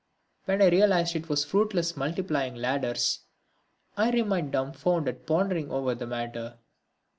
When I realised that it was fruitless multiplying ladders I remained dumbfounded pondering over the matter.